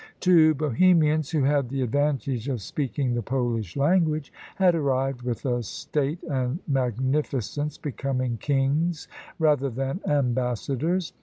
Two Bohemians, who had the advantage of speaking the Polish language, had arrived with a state and magnificence becoming kings rather than ambassadors.